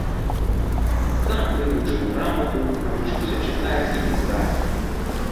Сам вывучыў грамату, навучыўся чытаць і пісаць.